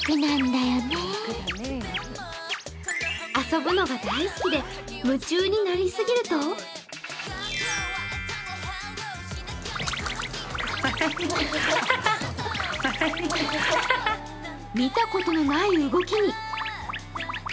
遊ぶのが大好きで、夢中になりすぎると見たことのない動きに。